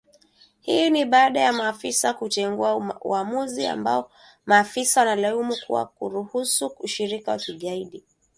Hii ni baada ya maafisa kutengua uamuzi ambao maafisa wanalaumu kwa kuruhusu ushirika wa kigaidi kukua na kuwa na nguvu zaidi na hatari sana